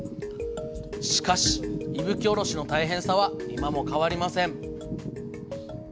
しかし伊吹おろしの大変さは今も変わりません。